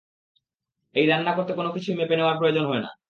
এই রান্না করতে কোনো কিছুই মেপে নেওয়ার প্রয়োজন হয় না।